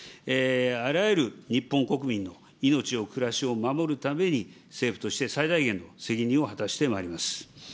あらゆる日本国民の命を、暮らしを守るために、政府として最大限の責任を果たしてまいります。